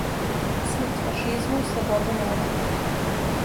Смрт фашизму, слобода народу!